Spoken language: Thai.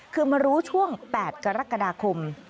คือมารู้ช่วง๘กรกฎาคม